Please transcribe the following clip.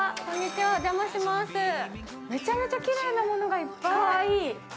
◆めちゃめちゃきれいなものがいっぱい。